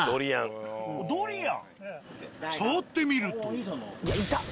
触ってみると。